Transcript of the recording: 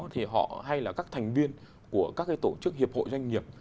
thì họ hay là các thành viên của các cái tổ chức hiệp hội doanh nghiệp